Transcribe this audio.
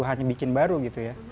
hanya bikin baru gitu ya